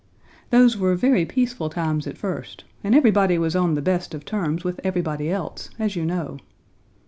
Those were very peaceful times at first, and everybody was on the best of terms with everybody else, as you know.